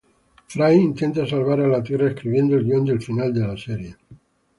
Fry intenta salvar a la tierra escribiendo el guion del final de la serie.